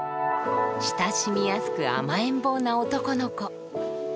親しみやすく甘えん坊な男の子。